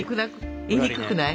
言いにくくない？